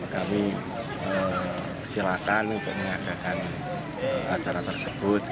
kami silakan untuk mengadakan acara tersebut